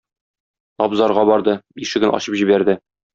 Абзарга барды, ишеген ачып җибәрде.